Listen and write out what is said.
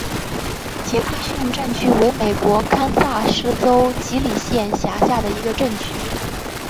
杰克逊镇区为美国堪萨斯州吉里县辖下的镇区。